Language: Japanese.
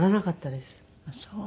あっそう。